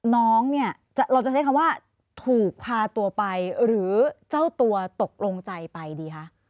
น้องเนี่ยเราจะใช้คำว่าถูกพาตัวไปหรือเจ้าตัวตกลงใจไปดีคะ